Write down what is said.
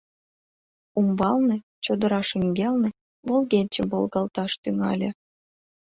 Умбалне, чодыра шеҥгелне, волгенче волгалташ тӱҥале.